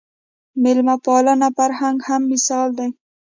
د مېلمه پالنې فرهنګ هم مثال دی